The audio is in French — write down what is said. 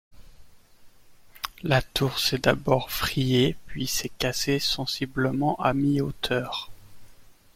La tour s'est d'abord vrillée, puis s'est cassée sensiblement à mi-hauteur.